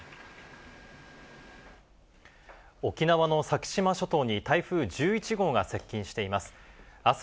沖縄の先島諸島に台風１１号が接近しています。